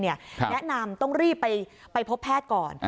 แนะนำต้องรีบไปพบแพทย์ก่อน